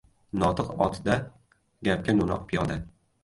• Notiq ― otda, gapga no‘noq ― piyoda.